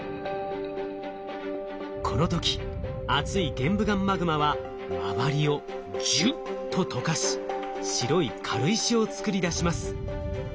この時熱い玄武岩マグマは周りをジュッと溶かし白い軽石をつくりだします。